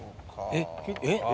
えっえっ？